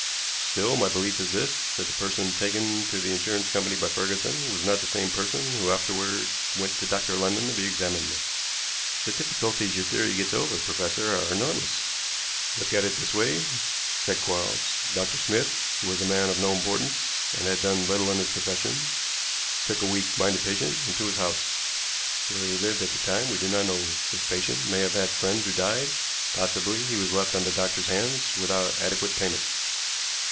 Still, my belief is this, that the person taken to the insurance company by Ferguson was not the same person who afterward went to Dr. London to be examined." "The difficulties your theory gets over, professor, are enormous." "Look at it this way," said Quarles. "Dr. Smith, who was a man of no importance, and had done little in his profession, took a weak minded patient into his house. Where he lived at the time we do not know. This patient may have had friends who died; possibly he was left on the doctor's hands without adequate payment.